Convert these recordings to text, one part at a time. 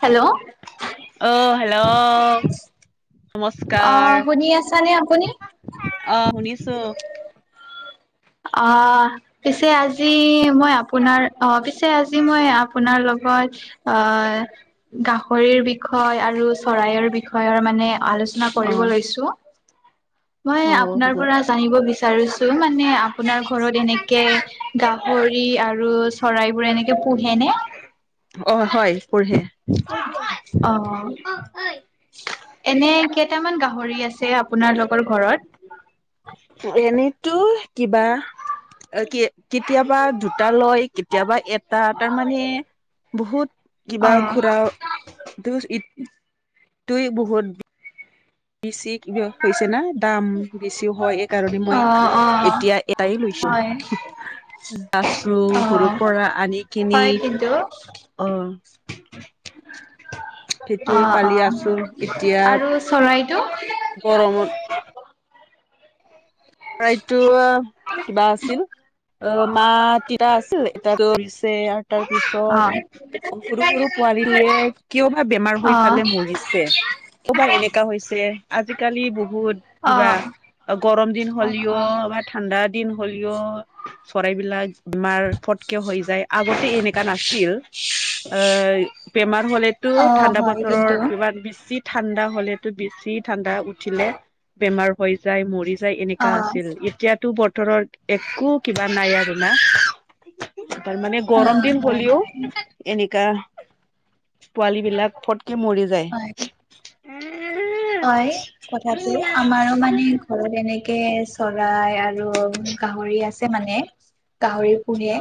Hello! অঁহহহ। অ শুনি আছা নে আপুনি? আহ শুনিছো। অ পিছে আজি মই আপোনাৰ অ পিছে আজি মই আপোনাৰ লগত গাহৰিৰ বিষয় আৰু চৰাইৰ বিষয়ৰ মানে আলো চনা কৰিব অ' লৈছো। মই হ'ব আপোনাৰ হ'ব। পৰা জানিব বিচাৰিছো মানে, আপোনাৰ ঘৰত এনেকে গা হৰি আৰু চৰাইবোৰ এনেকে পোহেনে? অ হয় পুঁহে। অ এনে কেইটামান গাহৰি আ ছে আপোনালোকৰ ঘৰত? এনেটো কিবা কেতিয়াবা দুটা লয় কেতিয়াবা এটা, তাৰমানানে বহুত কিবা অ' খুৰা ত তুই বহুত বেছি কে হৈছে না দাম বেছিও হয় এই কাৰণে, মই অ' অ' এতিয়া এটাই লৈছো। হয় আছো সৰুৰ অ'। পৰা আনি কিনি হয় কিন্তু অহ। অ সেইটোৱে পালি অ আছো এতিয়া আৰু চৰাই গৰমত- চৰাইতো কিবা আছিল অ মাঁ দেতাৰ আছিল এটাটো তাৰ অ পিছত সৰু সৰু পোৱালিে কিয় বা বেমাৰ অ হৈ‌ পেলাই মৰিছে। ক'বা এলেকা হৈছে আজিকালি বহুত অ কিবা গৰম দিন হ'লেও বা ঠাণ্ডা দিন হ'লেও চৰাই বিলাক বেমাৰ ফটকে হৈ যায় আগতে এনেকা নাছিল। অ বেমাৰ হলেতো অ ঠাণ্ডা হয় বতৰৰ কিন্তু কিবা বিশিত ঠাণ্ডা হলেটো বেছি ঠাণ্ডা উঠিলে বেমাৰ হৈ যায় মৰি যায় এনে অ অ কা আছিল এতিয়াতো বতৰৰ একো কিবা নাই আৰু না তাৰ মানে গৰম দিন হয় হ'লেও হয় এনেকা- পোৱালী বিলাক ফটকে মৰি হয় যায়। হয় কথাটো আমাৰো মানে ঘৰত এনেকে কে চৰাই আৰু গাহৰি আছে মানে। গাহৰি পুহে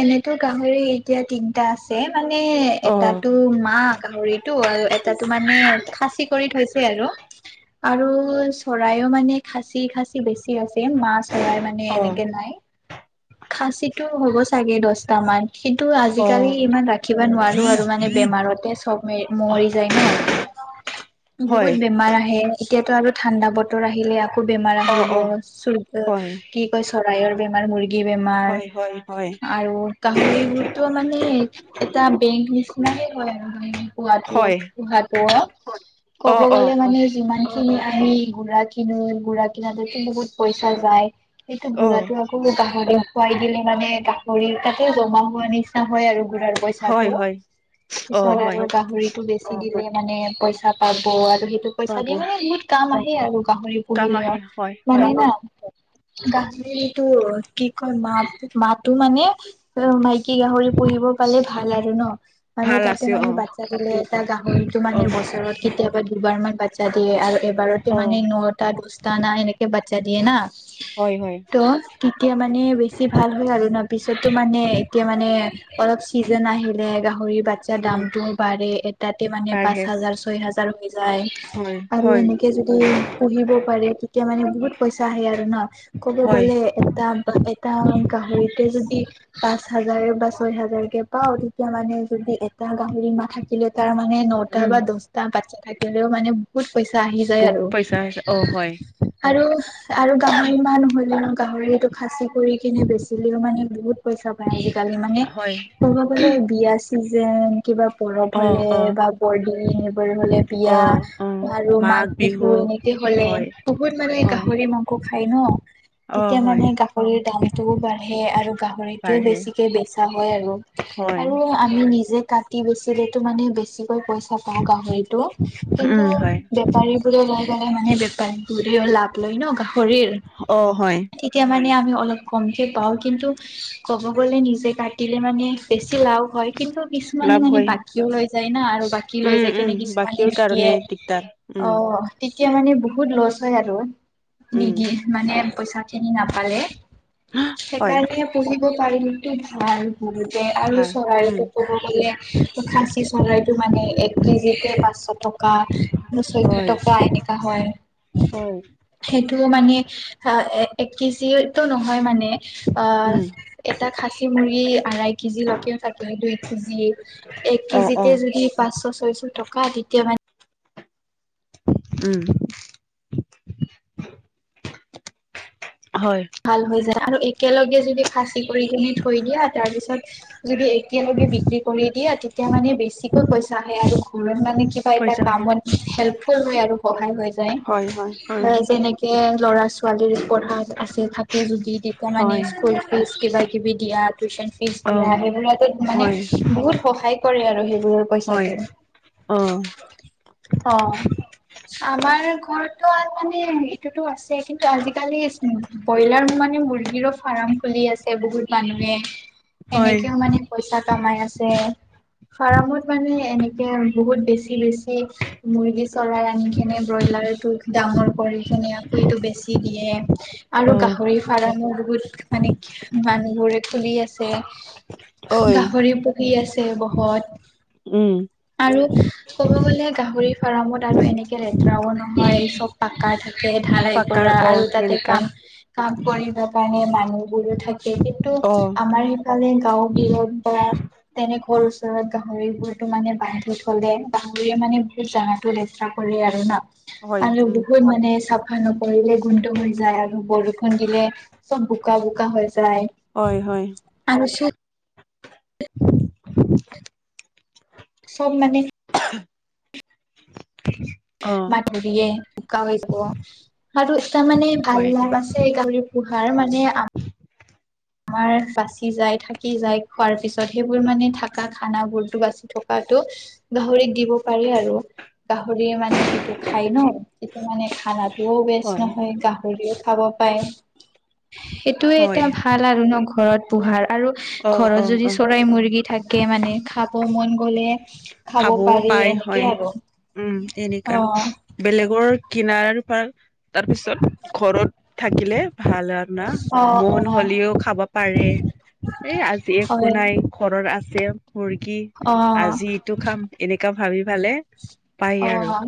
এনেতো গাহৰি এতিয়া তিনটা আছে। মানে অ এটাতো মাক গাহৰিটো আৰু এটাটো মানে খাচী কৰি থৈছে। আৰু আৰু চৰাইও মানে খাচি খাচি বেছি আছে। মা চৰাই মানে অ এনেকে নাই খাচীটো হ'ব চাগে দহট মান কিন্তু অ আজিকালি ইমান ৰাখিব নোৱাৰো আৰু মানে বেমাৰতে চব মে মৰি যায়। ন হয় বহুত বেমাৰ আহে এতিয়াতো আৰু ঠাণ্ডা বতৰ আহিলে আ- কো বেমাৰ অ আহিব অ চ হয় কি কয় চৰাইৰ বেমাৰ মুৰ্গী বেমাৰ হয় হয় হয় আৰু গাহৰিবোৰতো মানে এটা বে নি সমানেই হয় আৰু মানে পোৱা টোৱ হয় পোহা টোৱ অ ক'ব অ গলে অ মানে যিমান আমি গুৰা কিনো গুৰা কিনাতে বহুত পইচা যায় সেইটো অ বুঢ়াটো আকৌ- [unintelligible] খুৱাই দিলে মানে গাহৰি তাতে জমা হোৱা নিচা হয় আৰু- ৰ হয় পইচাটো হয় অ পিছত হয় আৰু গাহৰিটো বেছি দিলে মানে পইচা- পাব আৰু সেইটো পইচা দি বাবু মানে বহুত কাম আহে আৰু গাহৰি, কাম পুহিলেও আহে হয় হয় মানে না- গাহৰিটো কি কয় মা মাতো মানে মাইকী গাহৰি পোহিব পালে ভাল আৰু ন মানে ভাল তাতে আছে অ মানে বাচ্ছা দিলে এটা গাহৰিটো অ মানে বছৰত কিত কেতিয়াবা দুবাৰমানান বাচ্ছা দিয়ে আৰু এবাৰতে অ মানে নটা দহটা না এনেকে বাচ্ছা দিয়ে না হয় হয় ত তেতিয়া মানে বেছি ভাল হয় আৰু ন পিছতো মানে এতিয়া মানে অলপ চিজেন আহিলে গাহৰি বাচ্ছাৰ উম দামটোও বাঢ়ে এটাতে মানে পাঁচ পাৰহে হাজাৰ ছয় হাজাৰ হয় আৰু হয় এনেকে যদি পুহিব পাৰে তেতিয়া মানে বহুত পইচা আহে আৰু হয় ন ক'ব হয় গলে এটা এটা গাহৰিতে যদি পাঁচ হাজাৰ বা ছয় হাজাৰ কে পাওঁ তেতিয়া মানে যদি গাহৰি নাথাকিলেও তাৰ মানে নটা উম বা দছটা বাচ্ছা থাকিলেও মানে বহুত পইচা আহি যায় বহুত আৰু পইচা হৈছে অ হয় আৰু আৰু গাহৰি মাহ নহলে ন গাহৰি সেইটো খাচি কৰি কিনে বেচিলেও মানে বহুত পইচা পায় আজিকালি মানে হয় ক'ব গলৈ বিয়া চিজেন যেন কিবা পৰপ অ হ'লে অ বা বৰদিন আৰু হলে অ বিয়া অ আৰু মাঘ বিহু এনেকে হলে হয় বহুত মানে হয় গাহৰি মাংস খাই ন অ তেতিয়া হয় মানে গাহৰিৰ দামটোও বাঢ়ে আৰু গাহৰিটোও পাৰহে বেছিকে বেচা হয় আৰু হয় আৰু আমি নিজে কাটি বেচিলেটো মানে বেছিকৈ পইচা- পাওঁ গাহৰিটো কিন্তু উম হয় বেপাৰী বোৰে লৈ গলে মানে বেপাৰী বোৰে লাভ লয় ন গাহৰি অ হয় তেতিয়া মানে আমি অলপ কমকে পাওঁ কিন্তু ক'ব গ'লে নিজে কাটিলে মানে বেছি চিলাও হয় কিন্তু কিছুমানে লাভ মানে হয় বাকীও লৈ যায় না আৰু বাকী লৈ উম যায় উম কিছুমানে বাকীৰ দিয়ে কাৰণে দিগদাৰ অ উম এতিয়া মানে বহুত লচ হয় আৰু উম নিদিয়ে মানে পইচা খিনি নাপালে হয় সেইকাৰণে পুহিব পাৰিমতো ভাল [unintelligible] আৰু ভাল উম চৰাইটো ক'ব গ'লে খাচী চৰাইটো মানে এক কেজিতে পাঁচশ টকা চৈধশ হয় টকা এনেকা হয় হয় সেইটো মানে আহ এ এক কেজিটো নহয় মানে অ উম এটা খাচী মুৰ্গী আৰাই কেজি লকেও থাকে দুই কেজিয়ে এক অ অ কেজিতে যদি পাঁচ পাঁচশ ছয়শ টকা দ্বিতীয় মানে উম হয় ভাল হৈ যায় আৰু একেলগে যদি ফাচি কৰি কি থৈ দিয়া তাৰ পিছত যদি এতিয়ালৈকে বিক্ৰী কৰি দিয়ে তেতিয়া মানে বেছিকৈ পইচা আহে আৰু ঘৰত মানে কিবা এ পইচা আহে। কামত হেল্পফুল হয় আৰু সহায় হৈ যায় হয় হয় হয়। যেনেকে ল'ৰা ছোৱালী পঢ়া আছে থাকে যদি তেতিয়া মানে হয় স্কুল ফিজ কিবা কিবি দিয়াত টিউচন ফিজ অ দিয়া সেইবোৰতো মানে হয় বহুত সহায় কৰে আৰু সেইবোৰৰ হয় পইচাটো অ অ আমাৰ ঘৰত মানে এইটোতো আছে কিন্তু আজিকালি ব্ৰইলাৰ মানে মুৰ্গীৰো ফাৰ্ম খুলি আছে বহুত মানুহে হয় সেনেকেও মানে পইচা কমাই আছে ফাৰ্মত মানে এনেকে বহুত বেছি বেছি বেছি মুৰ্গী চৰাই আনি কেনে ব্ৰইলাৰটো ডাঙৰ কৰি ধুনীয়াকৈ এইটো বেছি দিয়ে আৰু অ। গাহৰি ফাৰ্মো বহুত মানে মানুহবোৰে খুলি আছে ঐ গাহৰি পুহি আছে বহুত উম আৰু ক'ব গ'লে গাহৰি ফাৰ্মত আৰু এনেকৈ লেতেৰাও নহয় চব পাকাৰ থাকে ধাৰ এক পাকাৰ পৰা অ আৰু তাতে এনেকা পাম কাম কৰিব কাৰণে মানুহ বোৰো থাকি যিহেতু অ। আমাৰ সিফালে গাঁও বোৰত বা তেনে সৰ ওচৰত গাহৰিবোৰতো মানে বান্ধি থলে গাহৰিয়ে মানে বহুত জাগাতটো লেতেৰা কৰে আৰু ন। হয় আৰু উম। বহুত মানে চাফা নকৰিলে গোন্ট হৈ যায় আৰু। বৰষুণ দিলে চব বোকা বোকা হৈ যায়। হয় হয় আৰু [inaudible] চব মানে [inaudible] অ মাটৰিয়ে শুকা হৈ যাব আৰু তাৰ মানে ভাল হয় লাভ আছে গহৰি পোহাৰ মানে আমাৰ বাচি যাই থাকি যাই খোৱাৰ পিছত সেইবোৰ মানে থাকা খানা বোৰতো বাচি থকা টো গাহৰিক দিব পাৰি আৰু গাহৰি মানে সেইটো খাই ন। তেতিয়া মানে খানাটোও বেষ্ট হয় নহয় গাহৰিও খাব পায়। সেইটোয়ে এটা হয় ভ ঘৰত পোহাৰ আৰু অ অ ঘৰত যদি অ। চৰাই মৰ্গী থাকে মানে খ মন গ'লে খাব খাবও পাৰি পাই এনেকে হয় আৰু উম এনেকা অ বেলেগৰ কিনাৰ পৰা তাৰপিছত ঘৰত থাকিলে ভাল আৰু না অ মন অ হ'লেও খাব পাৰে। এ আজি একো হয় নাই ঘৰত আছে। মৰ্গী আজি অ এইটো খাম এনেকা ভাবি ফালে পায় আৰু অ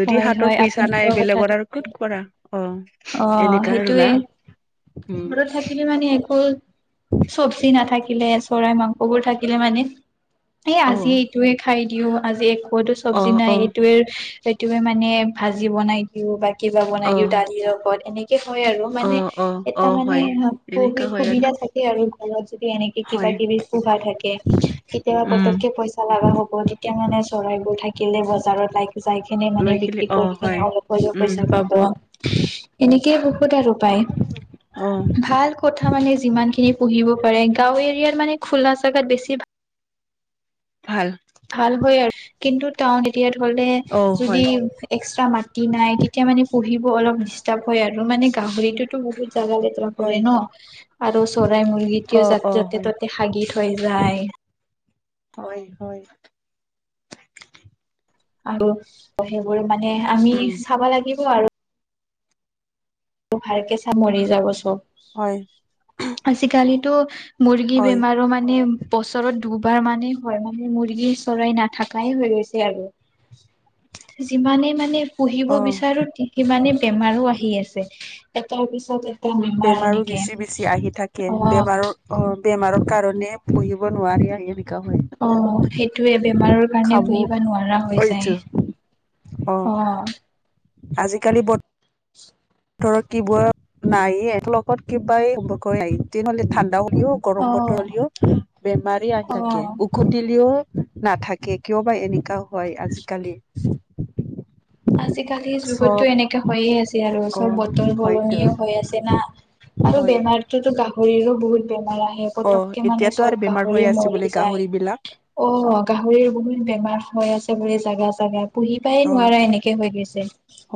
যদি হয় হয় হাতৰ পইচা আপুনি নাই কোৱা কথাটো বেলেগৰ আৰু হয় কত কৰা? অ অ এনেকোৱা আৰু না। সেইটোৱে উম ঘৰত থাকিলে মানে একো চব্জি নাথাকিলে চৰাই মাংস কবোৰ থাকিলে মানে এই অ আজি এইটোয়ে খাই দিও আজি কতো অ চব্জি নাই অ এইটোৱে এইটোৱে মানে ভাজি বনাই দিওঁ বাক কিবা বনাই অ দিওঁ দালিৰ লগত এনেকে হয় আৰু। অ মানে অ অ টা মানে হয় স এনেকা হয় আৰু সুবিধা থাকে আৰু ঘৰত। দি এনেকে কিবা হয় কিবি পোহা থাকে কেতিয়াবা উম পতকে পইচা লগা হব তেতিয়া মানে চৰাই থাকিলে বজাৰত যাই কিনে মানে লৈ খেলি বিক্ৰী অ কৰি হয় কিনে অলপ হলেও উম পইচা পাব। এনেকেই বহুত আৰু অ পায় ভাল কথা মানে যিমান খিনি পুহিব গাঁও এৰিয়াৰ মানে খোলা জাগাত বেছি ভাল। ভাল। ভাল হয় আৰু কিন্তু টাউন এৰিয়াত হলে অ যদি হয় এক্সট্ৰা মাতি নাই তেতিয়া মানে পুহিব অলপ ডিষ্টাৰ্ব হয় আৰু মানে গাহৰিতোতো বহুত জাগা লেতেৰা কৰে হয় ন। আৰু চৰাই অ মুৰ্গীটও যা অ য'তে হয় ত'তে হাগি থৈ যায়। হয় হয়। আৰু সেইবোৰ মানে আমি উম চাব লাগিব আৰু। ভালকে চামৰি যাব চব! হয় আজিকালিতো মুৰ্গী হয় বেমাৰো মানে বছৰত দুবাৰ মানেই হয় মানে মুৰ্গী চৰাই নাথাকাই হৈ গৈছে আৰু। যিমানে মানে পুহিব অ বিচাৰো সিমানে বেমাৰো আহি আছে। এ তাৰ পিছতে বেমাৰো বেছি বেছি আহি থাকে অ বেমাৰৰ বেমাৰৰ কাৰণে। পুহিব নোৱাৰি হয় অ সেইটোৱে বেমাৰৰ কাৰণে খাব পুহিব নোৱাৰা হৈ এইটো যায়। অ। আজিকালি ব ধৰত কিবোৰ নাই ব্লকত কিবা কতিহ'লে ঠাণ্ডাও [unintelligible] ও অ গৰম বতৰলৈও বেমাৰী আহি থাকে অ উখুটিলেও নাথাকে কিয় বা এনেকাও হয় আজিকালি? আজিকালি যুগততো চব এনেকাে হয়য়ে আছে। আৰু অ চব বতৰ হয়তো সলনিও হৈ আছে না আৰু হয় বেমাৰতোতো গাহৰিৰো বহুত বেমাৰ আহে অ পটককে মানে এতিয়াতো চব আৰু বেমাৰ গাহৰি হৈ আছে মৰি বোলে যায গাহৰি বিলাক অ গাহৰিৰ বহুত বেমাৰ হৈ আছে বুলি। জাগা চাগা পুহিবাই অ নোৱাৰা এনেকে হৈ গৈছে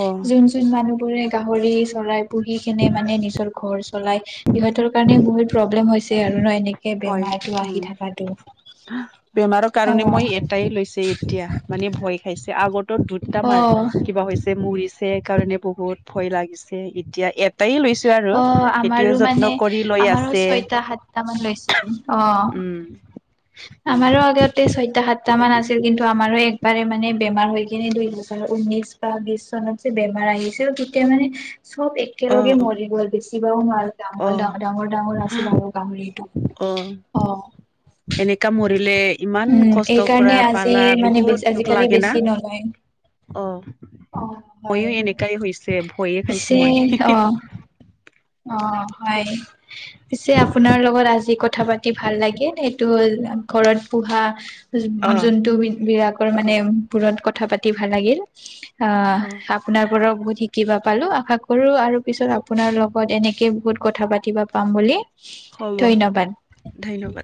অ যোন যোন মানুহ পুৰে গাহৰি চলাই পুহি কেনে মানে নিজৰ ঘৰ চলাই সিহতৰ কাৰণে বহুত প্ৰব্লেম হৈছে আৰু ন এনেকে হয় বেমাৰটো উম আহি থকাটো বেমাৰৰ কাৰণে মই এটাই লৈছে এতিয়া মানে ভয় খাইছ। আগতো দুত অ তমাৰ কিবা হৈছে মুৰি কাৰণে বহুত ভয় লাগিছে এতিয়া এপ অ আমাৰো মানে কৰি লৈ আমাৰো আছে ছয়টা সাতটা মান লৈছিল অ উম আমাৰো আগতে ছয়টা সাত দুটামান আছিল কিন্তু আমাৰো একবাৰে মানে বেমাৰ হৈ কিনে দুই হজাৰ ঊনৈশ বা বিশ চনত যে বেমাৰ আহিছিল তেতিয়া মানে চব অ একেলগে মৰি গ'ল বেচিবও নোৱাৰ অ অ ডাঙৰ ডাঙ ডাঙৰ ডাঙৰ আছিল আৰু গাহৰিটো অ অ অ এনেকা মৰিলে ইমান কষ্ট কৰা এইকাৰণে আজি পালা মানে বেছি বহুত দুখ আজিকালি লাগে না। বেছি নলয়। অ অ হয়। মইও এনেকাই হৈছে ভয়ে খাইছো পিছে অ মই। অ হয় পিছে আপোনাৰ লগত আজি কথা পাতি ভাল লাগে এইটো হ'ল। ঘৰত পোহা অ যোনটো বি বিৰাকৰ মানে বোৰত কথা পাতি ভাল লাগিল অ আপোনাৰ পৰাও বহুত শিকিবা পালো আশা কৰো আৰু পিছত আপোনাৰ লগ লগত এনেকে বহুত কথা পাতিব পাম বুলি হ'ব ধন্যবাদ ধন্যবাদ